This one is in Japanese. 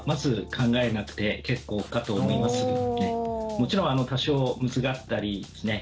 もちろん多少むずがったりですね